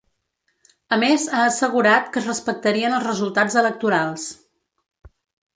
A més, ha assegurat que es respectarien els resultats electorals.